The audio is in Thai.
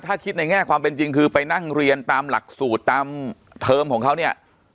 ถ้าคิดในแง่ความเป็นจริงคือไปนั่งเรียนตามหลักสูตรตามเทอมของเขาเนี่ย